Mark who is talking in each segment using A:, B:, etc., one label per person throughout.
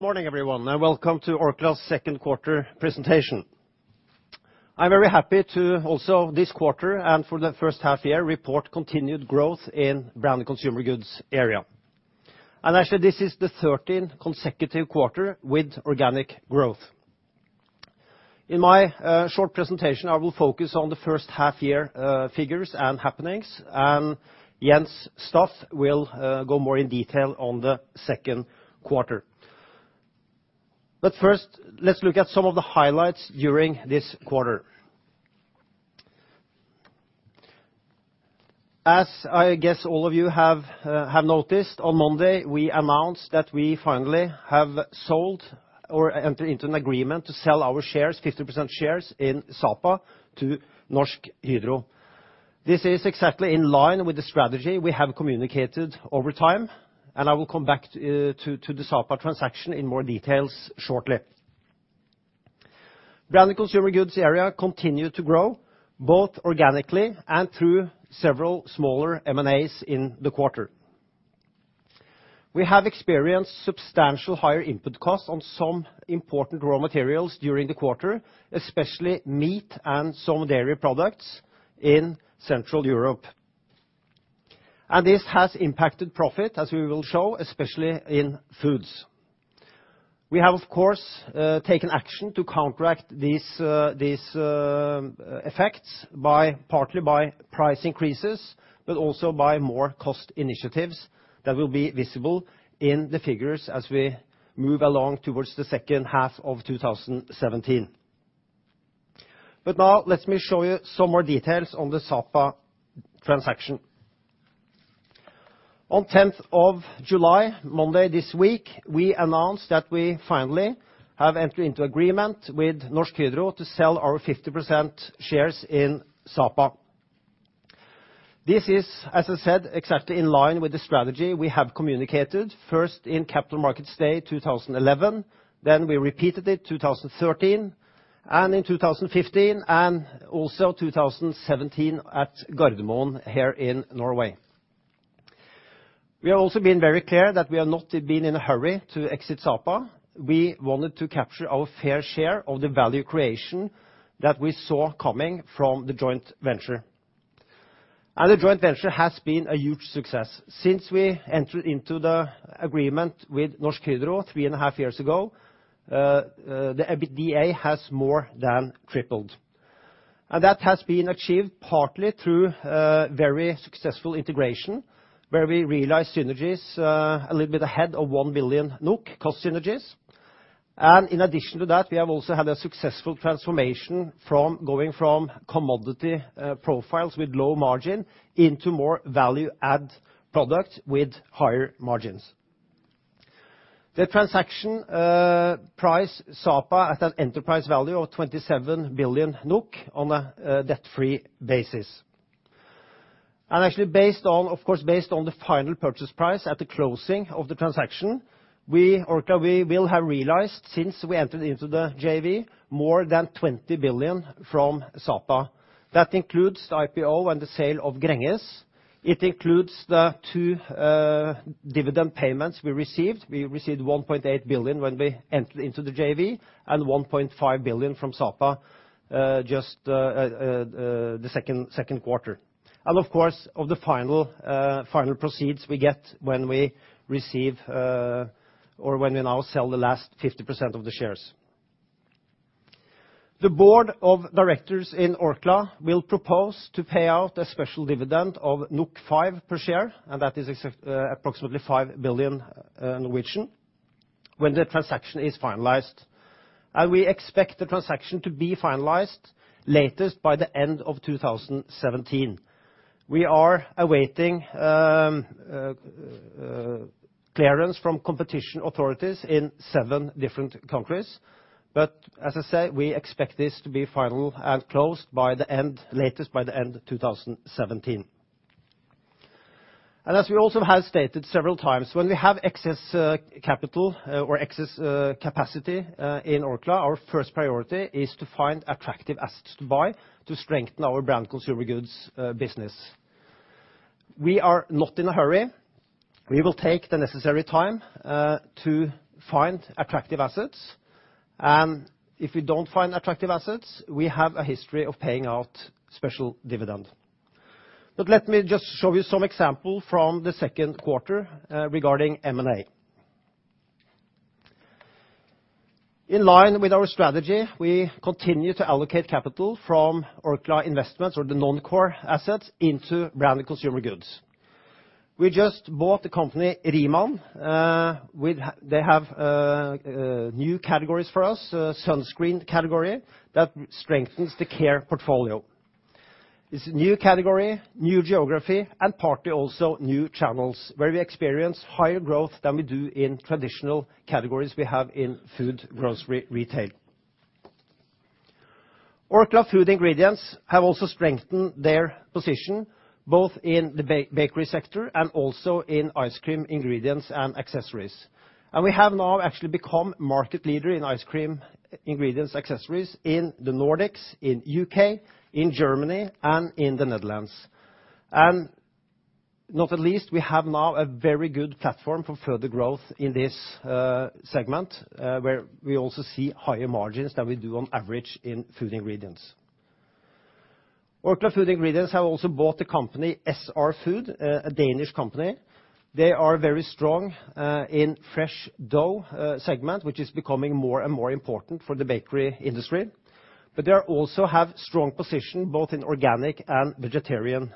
A: Good morning, everyone. Welcome to Orkla's second quarter presentation. I am very happy to also this quarter, and for the first half year, report continued growth in Branded Consumer Goods area. Actually, this is the 13th consecutive quarter with organic growth. In my short presentation, I will focus on the first half year figures and happenings, and Jens Staff will go more in detail on the second quarter. First, let us look at some of the highlights during this quarter. As I guess all of you have noticed, on Monday, we announced that we finally have sold or entered into an agreement to sell our 50% shares in Sapa to Norsk Hydro. This is exactly in line with the strategy we have communicated over time, and I will come back to the Sapa transaction in more details shortly. Branded Consumer Goods area continued to grow both organically and through several smaller M&As in the quarter. We have experienced substantial higher input costs on some important raw materials during the quarter, especially meat and some dairy products in Central Europe. This has impacted profit, as we will show, especially in Orkla Foods. We have, of course, taken action to counteract these effects partly by price increases, but also by more cost initiatives that will be visible in the figures as we move along towards the second half of 2017. Now, let me show you some more details on the Sapa transaction. On 10th of July, Monday this week, we announced that we finally have entered into agreement with Norsk Hydro to sell our 50% shares in Sapa. This is, as I said, exactly in line with the strategy we have communicated, first in Capital Markets Day 2011, then we repeated it 2013, and in 2015, and also 2017 at Gardermoen here in Norway. We have also been very clear that we have not been in a hurry to exit Sapa. We wanted to capture our fair share of the value creation that we saw coming from the joint venture. The joint venture has been a huge success. Since we entered into the agreement with Norsk Hydro three and a half years ago, the EBITDA has more than tripled. That has been achieved partly through very successful integration, where we realized synergies a little bit ahead of 1 billion NOK cost synergies. In addition to that, we have also had a successful transformation going from commodity profiles with low margin into more value-add products with higher margins. The transaction priced Sapa at an enterprise value of 27 billion NOK on a debt-free basis. Actually, of course based on the final purchase price at the closing of the transaction, we, Orkla, we will have realized since we entered into the JV, more than 20 billion from Sapa. That includes the IPO and the sale of Gränges. It includes the two dividend payments we received. We received 1.8 billion when we entered into the JV and 1.5 billion from Sapa just the second quarter. Of course, of the final proceeds we get when we receive, or when we now sell the last 50% of the shares. The board of directors in Orkla will propose to pay out a special dividend of 5 per share. That is approximately 5 billion when the transaction is finalized. We expect the transaction to be finalized latest by the end of 2017. We are awaiting clearance from competition authorities in seven different countries. As I said, we expect this to be final and closed latest by the end of 2017. As we also have stated several times, when we have excess capital or excess capacity in Orkla, our first priority is to find attractive assets to buy to strengthen our Branded Consumer Goods business. We are not in a hurry. We will take the necessary time to find attractive assets. If we don't find attractive assets, we have a history of paying out special dividend. Let me just show you some example from the second quarter regarding M&A. In line with our strategy, we continue to allocate capital from Orkla Investments or the non-core assets into Branded Consumer Goods. We just bought the company Riemann. They have new categories for us, sunscreen category that strengthens the Care portfolio. It's new category, new geography, and partly also new channels where we experience higher growth than we do in traditional categories we have in food grocery retail. Orkla Food Ingredients have also strengthened their position, both in the bakery sector and also in ice cream ingredients and accessories. We have now actually become market leader in ice cream ingredients accessories in the Nordics, in U.K., in Germany, and in the Netherlands. Not least, we have now a very good platform for further growth in this segment, where we also see higher margins than we do on average in Food Ingredients. Orkla Food Ingredients have also bought the company SR Food, a Danish company. They are very strong in fresh dough segment, which is becoming more and more important for the bakery industry. They also have strong position both in organic and vegetarian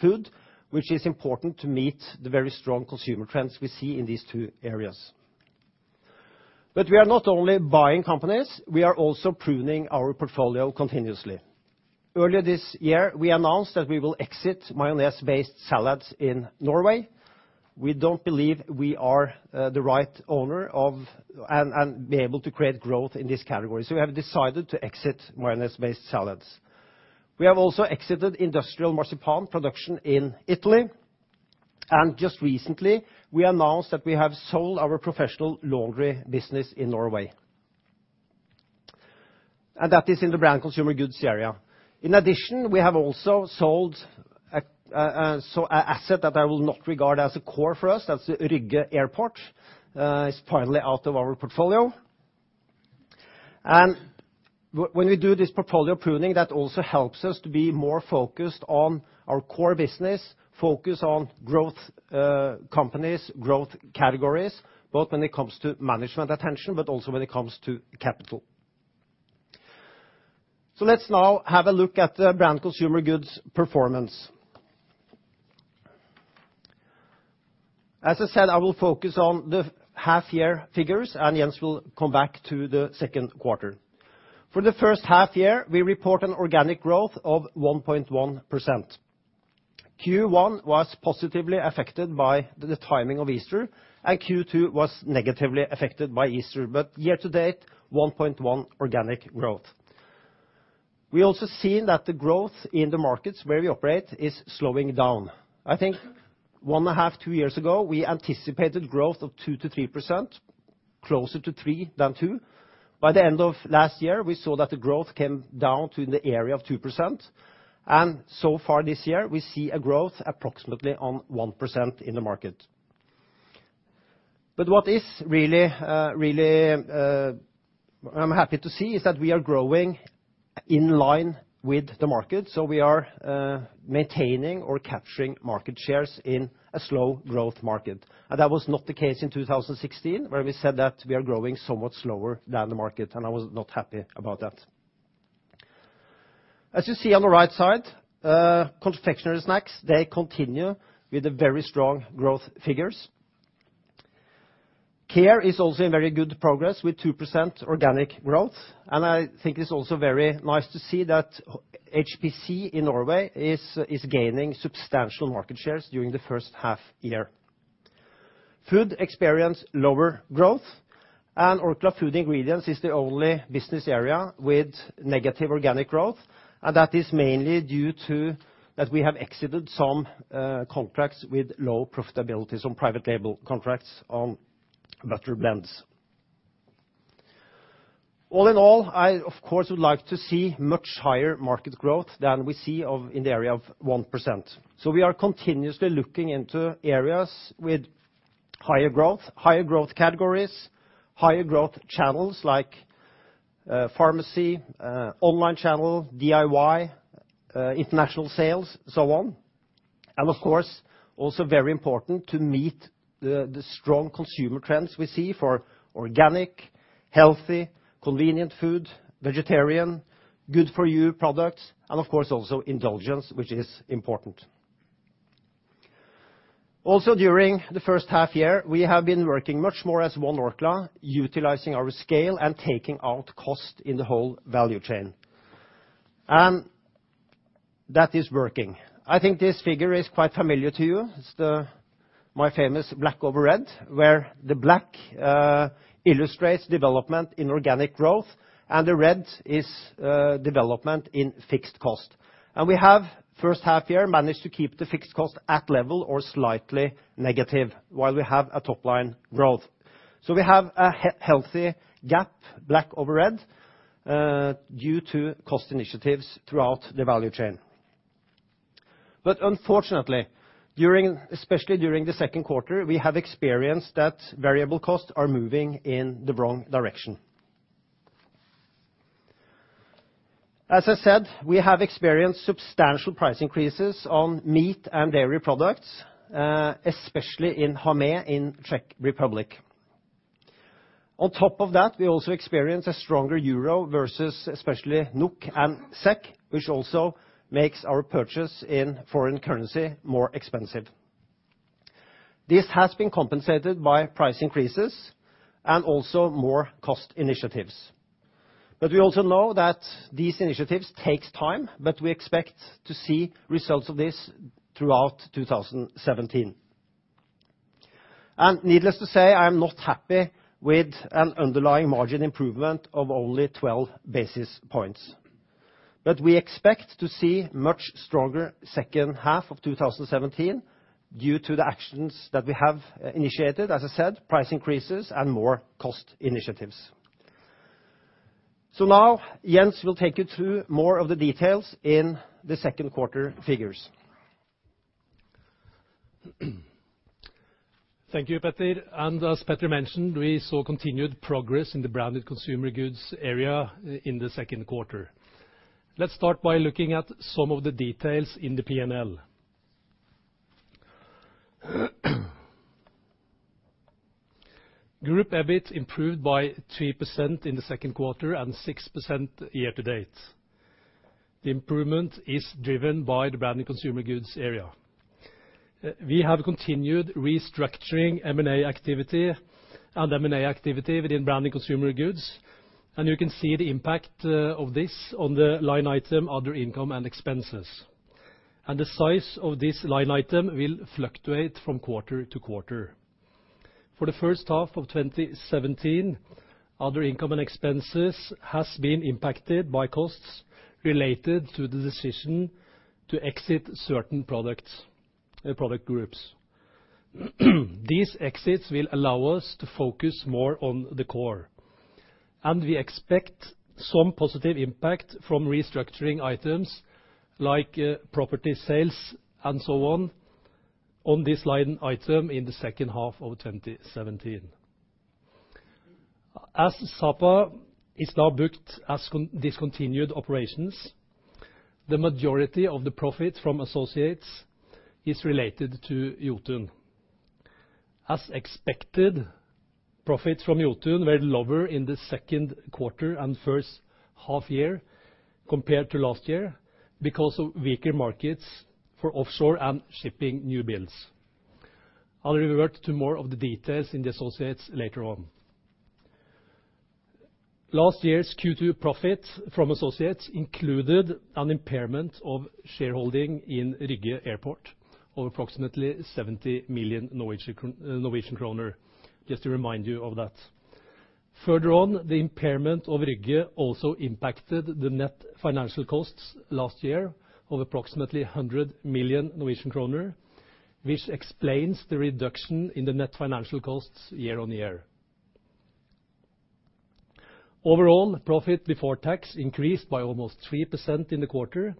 A: food, which is important to meet the very strong consumer trends we see in these two areas. We are not only buying companies, we are also pruning our portfolio continuously. Earlier this year, we announced that we will exit mayonnaise-based salads in Norway. We don't believe we are the right owner and be able to create growth in this category, so we have decided to exit mayonnaise-based salads. We have also exited industrial marzipan production in Italy, and just recently we announced that we have sold our professional laundry business in Norway. That is in the Branded Consumer Goods area. In addition, we have also sold an asset that I will not regard as a core for us, that's the Rygge Airport. It's finally out of our portfolio. When we do this portfolio pruning, that also helps us to be more focused on our core business, focused on growth companies, growth categories, both when it comes to management attention, but also when it comes to capital. Let's now have a look at the Branded Consumer Goods performance. As I said, I will focus on the half-year figures, and Jens will come back to the second quarter. For the first half year, we report an organic growth of 1.1%. Q1 was positively affected by the timing of Easter. Q2 was negatively affected by Easter. Year to date, 1.1% organic growth. We have also seen that the growth in the markets where we operate is slowing down. I think 1.5, 2 years ago, we anticipated growth of 2%-3%, closer to 3% than 2%. By the end of last year, we saw that the growth came down to in the area of 2%. So far this year, we see a growth approximately on 1% in the market. What really I am happy to see is that we are growing in line with the market. We are maintaining or capturing market shares in a slow growth market. That was not the case in 2016 where we said that we are growing somewhat slower than the market. I was not happy about that. As you see on the right side, Confectionery & Snacks, they continue with the very strong growth figures. Orkla Care is also in very good progress with 2% organic growth. I think it is also very nice to see that HPC in Norway is gaining substantial market shares during the first half year. Orkla Foods experienced lower growth. Orkla Food Ingredients is the only business area with negative organic growth, and that is mainly due to that we have exited some contracts with low profitability. Some private label contracts on butter blends. All in all, I of course would like to see much higher market growth than we see in the area of 1%. We are continuously looking into areas with higher growth, higher growth categories, higher growth channels like pharmacy, online channel, DIY, international sales, so on. Of course, also very important to meet the strong consumer trends we see for organic, healthy, convenient food, vegetarian, good for you products, and of course, also indulgence, which is important. Also, during the first half year, we have been working much more as one Orkla, utilizing our scale and taking out cost in the whole value chain. That is working. I think this figure is quite familiar to you. It is my famous black over red, where the black illustrates development in organic growth and the red is development in fixed cost. We have, first half year, managed to keep the fixed cost at level or slightly negative while we have a top-line growth. We have a healthy gap, black over red, due to cost initiatives throughout the value chain. Unfortunately, especially during the second quarter, we have experienced that variable costs are moving in the wrong direction. As I said, we have experienced substantial price increases on meat and dairy products, especially in Hamé in Czech Republic. On top of that, we also experienced a stronger EUR versus especially NOK and SEK, which also makes our purchase in foreign currency more expensive. This has been compensated by price increases and also more cost initiatives. We also know that these initiatives take time, but we expect to see results of this throughout 2017. Needless to say, I am not happy with an underlying margin improvement of only 12 basis points. We expect to see much stronger second half of 2017 due to the actions that we have initiated, as I said, price increases and more cost initiatives. Jens will take you through more of the details in the second quarter figures.
B: Thank you, Peter. As Peter mentioned, we saw continued progress in the Branded Consumer Goods area in the second quarter. Let's start by looking at some of the details in the P&L. Group EBIT improved by 3% in the second quarter and 6% year-to-date. The improvement is driven by the Branded Consumer Goods area. We have continued restructuring M&A activity and M&A activity within Branded Consumer Goods, and you can see the impact of this on the line item, other income and expenses. The size of this line item will fluctuate from quarter to quarter. For the first half of 2017, other income and expenses has been impacted by costs related to the decision to exit certain product groups. These exits will allow us to focus more on the core, and we expect some positive impact from restructuring items like property sales and so on this line item in the second half of 2017. As Sapa is now booked as discontinued operations, the majority of the profit from associates is related to Jotun. As expected, profits from Jotun were lower in the second quarter and first half year compared to last year, because of weaker markets for offshore and shipping new builds. I'll revert to more of the details in the associates later on. Last year's Q2 profit from associates included an impairment of shareholding in Rygge Airport of approximately 70 million Norwegian kroner, just to remind you of that. Further on, the impairment of Rygge also impacted the net financial costs last year of approximately 100 million Norwegian kroner, which explains the reduction in the net financial costs year-on-year. Overall, profit before tax increased by almost 3% in the quarter,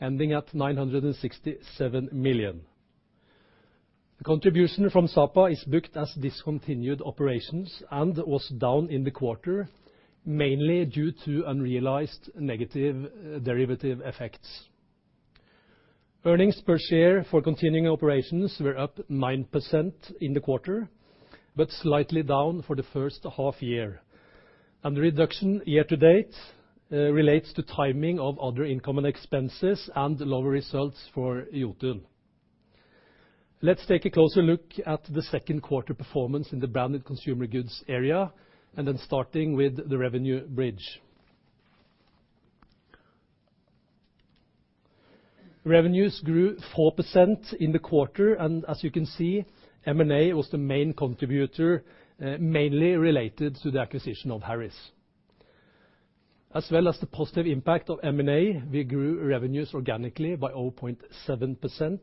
B: ending at 967 million. The contribution from Sapa is booked as discontinued operations and was down in the quarter, mainly due to unrealized negative derivative effects. Earnings per share for continuing operations were up 9% in the quarter, but slightly down for the first half year. The reduction year-to-date relates to timing of other income and expenses and lower results for Jotun. Let's take a closer look at the second quarter performance in the Branded Consumer Goods area, then starting with the revenue bridge. Revenues grew 4% in the quarter, and as you can see, M&A was the main contributor, mainly related to the acquisition of Harris. As well as the positive impact of M&A, we grew revenues organically by 0.7%,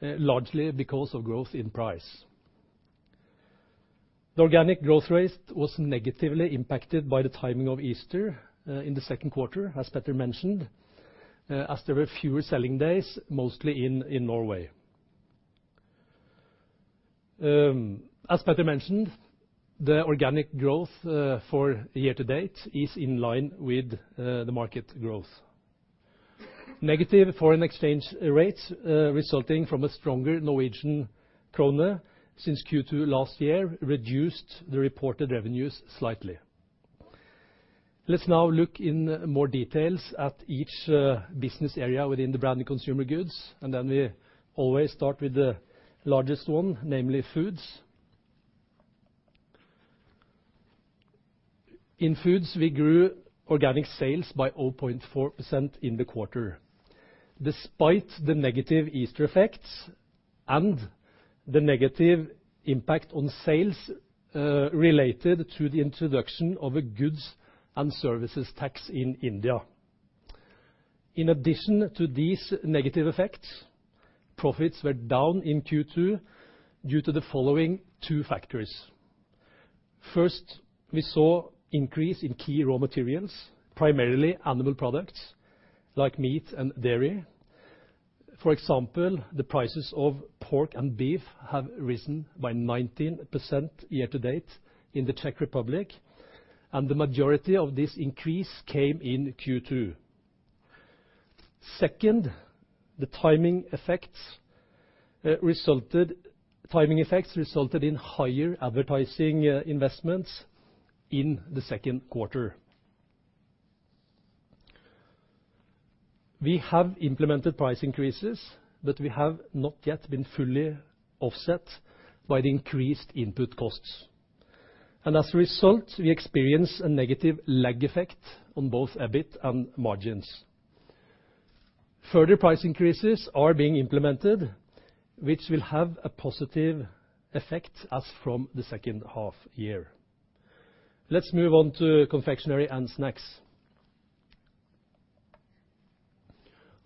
B: largely because of growth in price. The organic growth rate was negatively impacted by the timing of Easter in the second quarter, as Petter mentioned, as there were fewer selling days, mostly in Norway. As Petter mentioned, the organic growth for year-to-date is in line with the market growth. Negative foreign exchange rates, resulting from a stronger Norwegian kroner since Q2 last year, reduced the reported revenues slightly. Let's now look in more details at each business area within the Branded Consumer Goods. Then we always start with the largest one, namely Orkla Foods. In Orkla Foods, we grew organic sales by 0.4% in the quarter, despite the negative Easter effects and the negative impact on sales related to the introduction of a Goods and Services Tax in India. In addition to these negative effects, profit were down in Q2 due to the following two factors. First, we saw increase in key raw materials, primarily animal products like meat and dairy. For example, the prices of pork and beef have risen by 19% year-to-date in the Czech Republic, and the majority of this increase came in Q2. Second, the timing effects resulted in higher advertising investments in the second quarter. We have implemented price increases, but we have not yet been fully offset by the increased input costs. As a result, we experience a negative lag effect on both EBIT and margins. Further price increases are being implemented, which will have a positive effect as from the second half year. Let's move on to Orkla Confectionery & Snacks.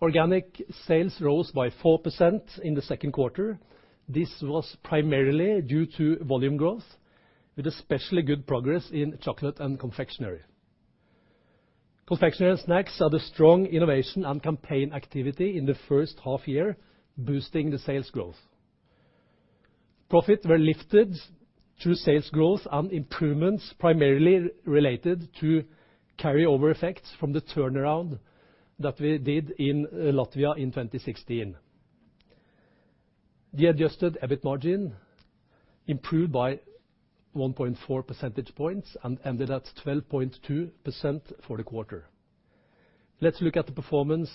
B: Organic sales rose by 4% in the second quarter. This was primarily due to volume growth, with especially good progress in chocolate and confectionery. Orkla Confectionery & Snacks had a strong innovation and campaign activity in the first half year, boosting the sales growth. Profit were lifted through sales growth and improvements, primarily related to carryover effects from the turnaround that we did in Latvia in 2016. The adjusted EBIT margin improved by 1.4 percentage points and ended at 12.2% for the quarter. Let's look at the performance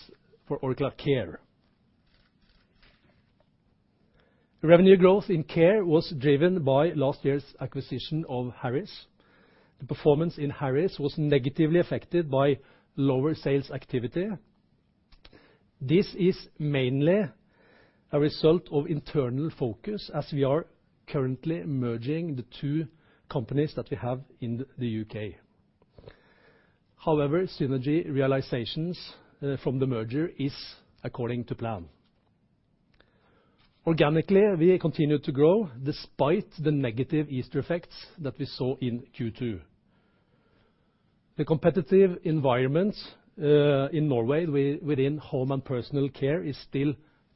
B: for Orkla Care. Revenue growth in Orkla Care was driven by last year's acquisition of Harris. The performance in Harris was negatively affected by lower sales activity. This is mainly a result of internal focus, as we are currently merging the two companies that we have in the U.K. Synergy realizations from the merger is according to plan. Organically, we continued to grow despite the negative Easter effects that we saw in Q2. The competitive environment in Norway within home and personal care is still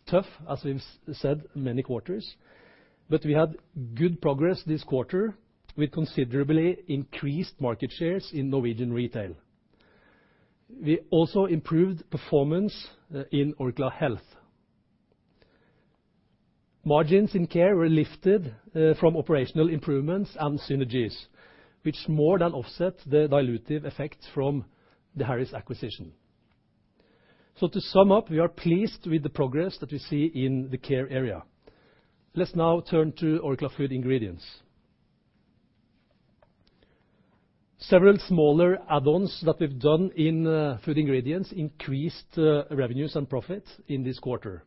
B: tough, as we've said many quarters. We had good progress this quarter with considerably increased market shares in Norwegian retail. We also improved performance in Orkla Health. Margins in Orkla Care were lifted from operational improvements and synergies, which more than offset the dilutive effect from the Harris acquisition. To sum up, we are pleased with the progress that we see in the Orkla Care area. Let's now turn to Orkla Food Ingredients. Several smaller add-ons that we've done in Orkla Food Ingredients increased revenues and profit in this quarter.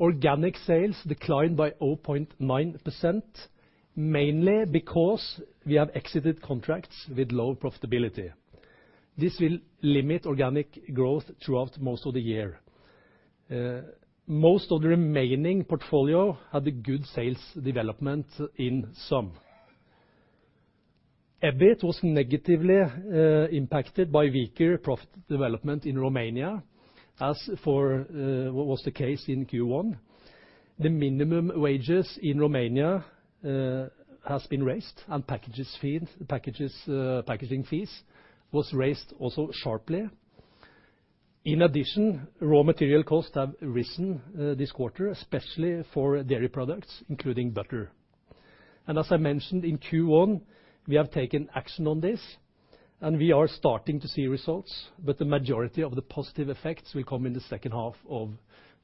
B: Organic sales declined by 0.9%, mainly because we have exited contracts with low profitability. This will limit organic growth throughout most of the year. Most of the remaining portfolio had a good sales development in sum. EBIT was negatively impacted by weaker profit development in Romania, as for what was the case in Q1. The minimum wages in Romania has been raised and packaging fees was raised also sharply. In addition, raw material costs have risen this quarter, especially for dairy products, including butter. As I mentioned in Q1, we have taken action on this, and we are starting to see results, but the majority of the positive effects will come in the second half of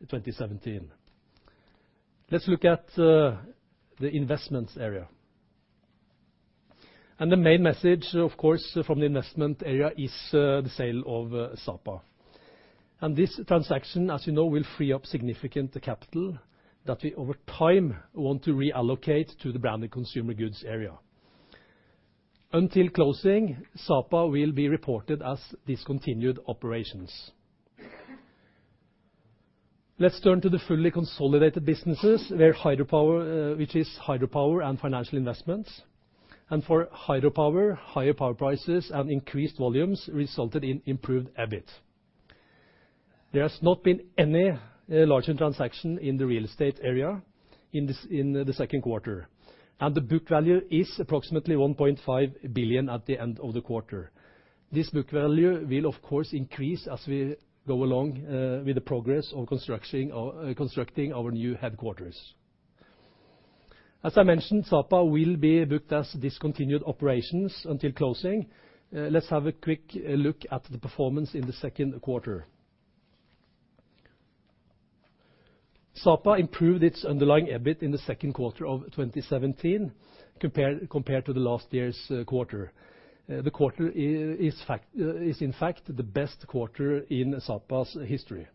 B: 2017. Let's look at the investments area. The main message, of course, from the investment area is the sale of Sapa. This transaction, as you know, will free up significant capital that we, over time, want to reallocate to the Branded Consumer Goods area. Until closing, Sapa will be reported as discontinued operations. Let's turn to the fully consolidated businesses, which is hydropower and financial investments. For hydropower, higher power prices and increased volumes resulted in improved EBIT. There has not been any larger transaction in the real estate area in the second quarter, and the book value is approximately 1.5 billion at the end of the quarter. This book value will, of course, increase as we go along with the progress of constructing our new headquarters. As I mentioned, Sapa will be booked as discontinued operations until closing. Let's have a quick look at the performance in the second quarter. Sapa improved its underlying EBIT in the second quarter of 2017 compared to the last year's quarter. The quarter is in fact the best quarter in Sapa's history.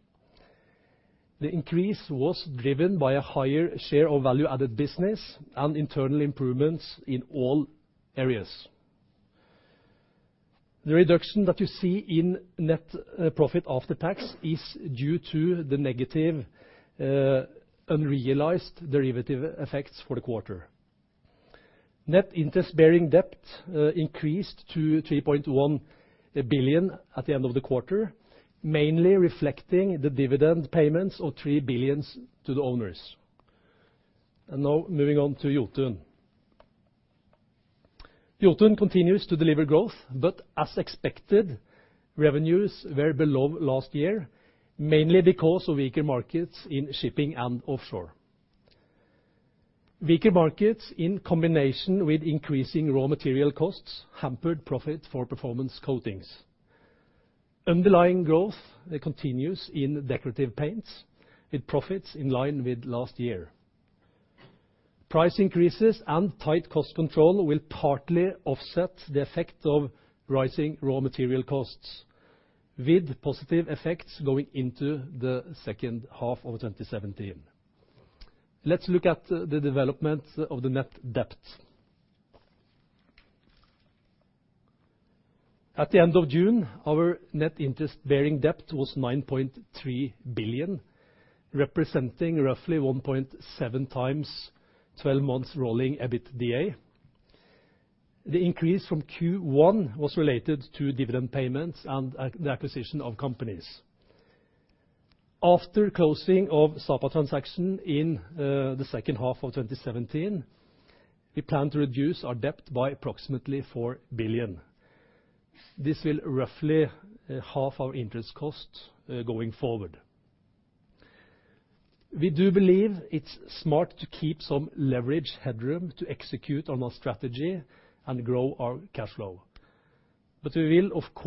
B: The increase was driven by a higher share of value-added business and internal improvements in all areas. The reduction that you see in net profit after tax is due to the negative unrealized derivative effects for the quarter. Net interest-bearing debt increased to 3.1 billion at the end of the quarter, mainly reflecting the dividend payments of 3 billion to the owners. Now moving on to Jotun. Jotun continues to deliver growth, but as expected, revenues were below last year, mainly because of weaker markets in shipping and offshore. Weaker markets in combination with increasing raw material costs hampered profit for performance coatings. Underlying growth continues in decorative paints with profits in line with last year. Price increases and tight cost control will partly offset the effect of rising raw material costs, with positive effects going into the second half of 2017. Let's look at the development of the net debt. At the end of June, our net interest-bearing debt was 9.3 billion, representing roughly 1.7x 12 months rolling EBITDA. The increase from Q1 was related to dividend payments and the acquisition of companies. After closing of Sapa transaction in the second half of 2017, we plan to reduce our debt by approximately 4 billion. This will roughly half our interest cost going forward. We do believe it's smart to keep some leverage headroom to execute on our strategy and grow our cash flow. We will, of course